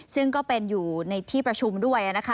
ซึ่งก็เป็นอยู่ในที่ประชุมด้วยนะคะ